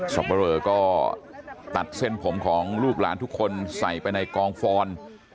ปะเรอก็ตัดเส้นผมของลูกหลานทุกคนใส่ไปในกองฟอน